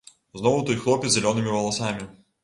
Зноў той хлопец з зялёнымі валасамі!